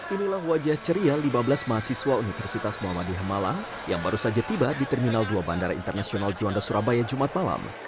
inilah wajah ceria lima belas mahasiswa universitas muhammadiyah malang yang baru saja tiba di terminal dua bandara internasional juanda surabaya jumat malam